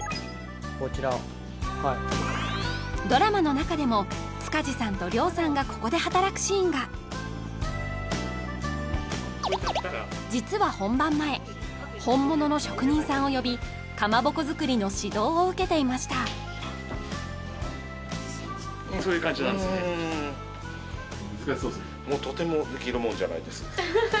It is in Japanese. こちらはドラマの中でも塚地さんとりょうさんがここで働くシーンが実は本番前本物の職人さんを呼びかまぼこ作りの指導を受けていましたそういう感じなんですね難しそうですね